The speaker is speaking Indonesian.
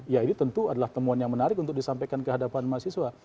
ya ini tentu adalah temuan yang menarik untuk disampaikan ke hadapan mahasiswa